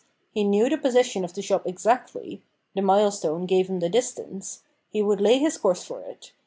He knew the position of the shop exactly the milestone gave him the distance he would lay his course for it.